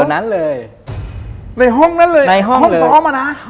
ในห้องนั้นเลยห้องซ้อมอะนะ